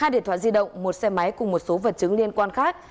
hai điện thoại di động một xe máy cùng một số vật chứng liên quan khác